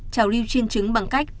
trào lưu chiên trứng bằng cách